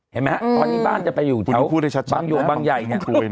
เห็นไหมนี่บ้านจะไปอยู่แถวบังเหนียวบังใหญ่